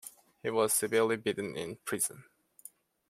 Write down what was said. He was severely beaten in prison.